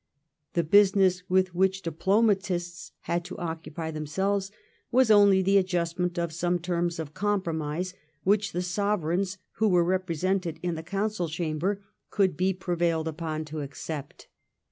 The business with which diplomatists had to occupy themselves was only the adjustment of some terms of compromise which the Sovereigns who were represented in the council chamber could be prevailed upon to accept.